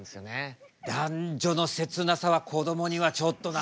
男女の切なさはこどもにはちょっとな。